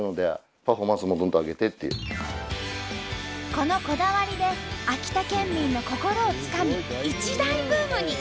このこだわりで秋田県民の心をつかみ一大ブームに。